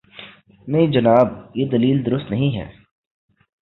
نہیں جناب، یہ دلیل درست نہیں ہے۔